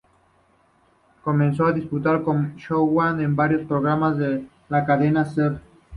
Comenzó a despuntar como "showman" en varios programas de la cadena Ser.